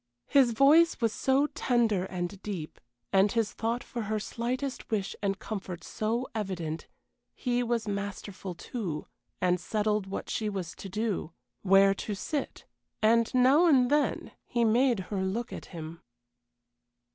His voice was so tender and deep, and his thought for her slightest wish and comfort so evident; he was masterful, too, and settled what she was to do where to sit, and now and then he made her look at him.